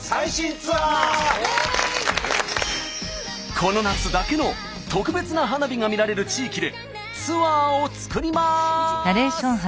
この夏だけの特別な花火が見られる地域でツアーを作ります！